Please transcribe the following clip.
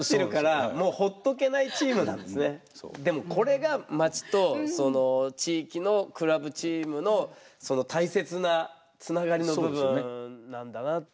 でもこれが町とその地域のクラブチームの大切なつながりの部分なんだな。